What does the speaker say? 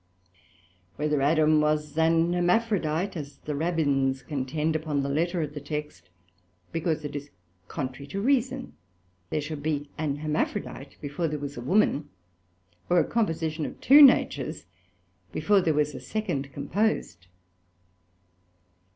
Whether Adam was an Hermaphrodite, as the Rabbins contend upon the Letter of the Text, because it is contrary to reason, there should be an Hermaphrodite before there was a Woman; or a composition of two Natures before there was a second composed.